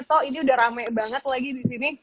toh ini udah rame banget lagi di sini